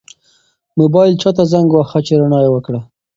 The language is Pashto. موبایل چا ته زنګ واهه چې رڼا یې وکړه؟